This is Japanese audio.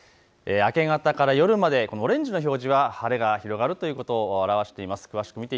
明け方から夜までオレンジの表示は晴れが広がるということを表しています。